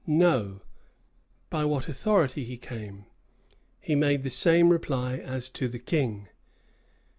"No;" by what authority he came? he made the same reply as to the king.